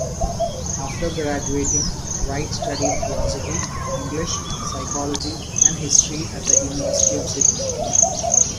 After graduating, Wright studied Philosophy, English, Psychology and History at the University of Sydney.